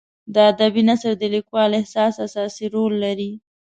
د ادبي نثر د لیکوال احساس اساسي رول لري.